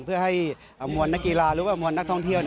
เพื่อให้มวลนักกีฬาหรือว่ามวลนักท่องเที่ยว